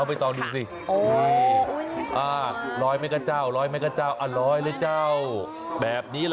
เป็นประจำทุกปี